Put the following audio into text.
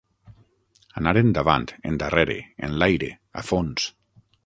Anar endavant, endarrere, enlaire, a fons.